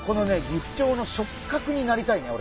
ギフチョウの触角になりたいね